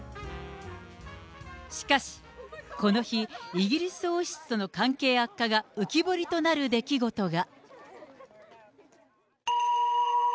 しかし、この日、イギリス王室との関係悪化が浮き彫りとなる出来事が。